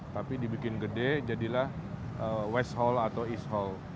tapi dibikin gede jadilah west hall atau east hall